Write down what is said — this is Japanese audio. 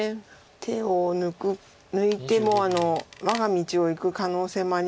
手を抜いてもう我が道をいく可能性もあります。